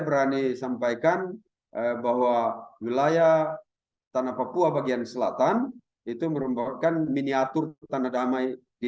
berani sampaikan bahwa wilayah tanah papua bagian selatan itu merupakan miniatur tanah damai di